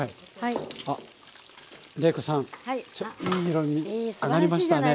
いい色に揚がりましたね。